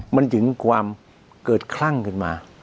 มันถึงความเกิดคลั่งขึ้นมา